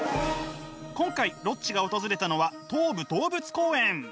今回ロッチが訪れたのは東武動物公園。